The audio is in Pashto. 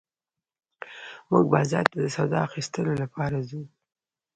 موږ بازار ته د سودا اخيستلو لپاره ځو